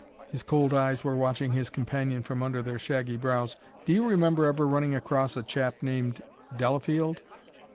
His cold eyes were watching his companion from under their shaggy brows. "Do you remember ever running across a chap named Delafield?"